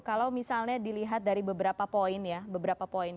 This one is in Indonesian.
kalau misalnya dilihat dari beberapa poin ya beberapa poin